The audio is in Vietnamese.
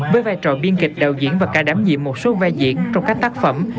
với vai trò biên kịch đạo diễn và cả đám diện một số vai diễn trong các tác phẩm